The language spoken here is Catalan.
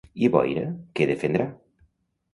I Boira què defendrà?